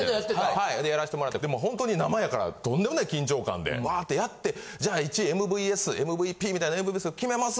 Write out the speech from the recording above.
はいでやらしてもらってでもほんとに生やからとんでもない緊張感でバーッてやってじゃあ１位ＭＶＳＭＶＰみたいなＭＶＳを決めます。